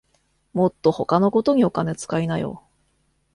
もっと他のことにお金つかいなよ